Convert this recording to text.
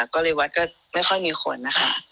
ก็เลยวัดไม่ค่อยมีคน